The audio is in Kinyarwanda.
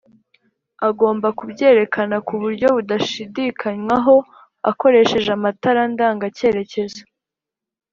agomba kubyerekana kuburyo budashidikanywaho akoresheje amatara ndanga cyerekezo